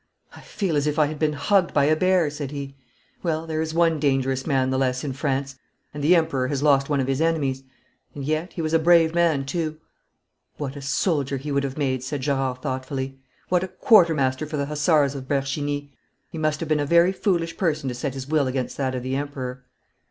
'I feel as if I had been hugged by a bear,' said he. 'Well, there is one dangerous man the less in France, and the Emperor has lost one of his enemies. And yet he was a brave man too!' 'What a soldier he would have made!' said Gerard thoughtfully. 'What a quartermaster for the Hussars of Bercheny! He must have been a very foolish person to set his will against that of the Emperor.'